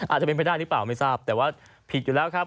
อาจจะเป็นไปได้หรือเปล่าไม่ทราบแต่ว่าผิดอยู่แล้วครับ